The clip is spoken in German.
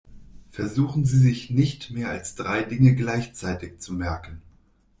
Versuchen Sie sich nicht mehr als drei Dinge gleichzeitig zu merken.